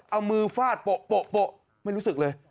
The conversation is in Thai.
เอามือฟาดโป๊ะไม่รู้สึกเลย